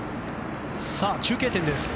中継点です。